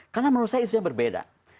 karena menurut saya isu yang berbeda